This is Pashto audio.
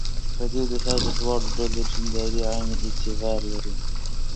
په دې لحاظ د دواړو ډلو دینداري عین اعتبار لري.